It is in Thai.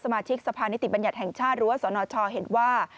มาชิกสะพานิติบัญญัติแห่งชาติหรือว่าสนชเห็นว่า